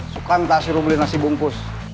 sukanta suruh beli nasi bungkus